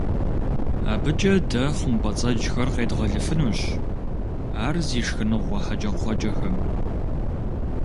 АбыкӀэ дэ хъумпӀэцӀэджхэр къедгъэлыфынущ ар зи шхыныгъуэ хьэкӀэкхъуэкӀэхэм.